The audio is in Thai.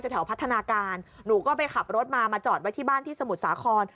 แถวพัฒนาการหนูก็ไปขับรถมามาจอดไว้ที่บ้านที่สมุทรสาคร